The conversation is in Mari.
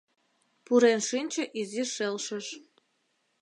Пурен шинче изи шелшыш.